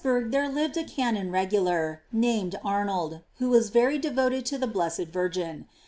ID Reisberg there lived a Canon regular named Arnold, who was very devoted to the blessed Vir gin.